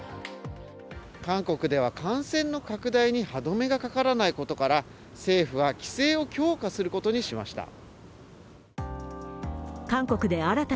韓国では、感染の拡大に歯止めがかからないことから政府は規制を強化することにしました。